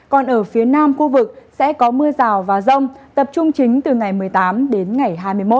còn ở phía nam khu vực sẽ có mưa rào và rông tập trung chính từ ngày một mươi tám đến ngày hai mươi một